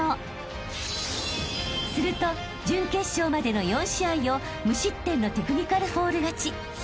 ［すると準決勝までの４試合を無失点のテクニカルフォール勝ち］